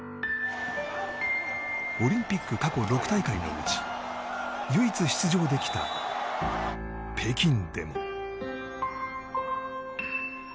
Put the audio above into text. オリンピック過去６大会のうち唯一出場できた北京でも。